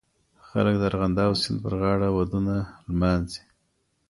خلک د ارغنداب سیند پرغاړه ودونه لمانځي.